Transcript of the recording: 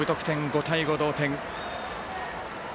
５対５、同点。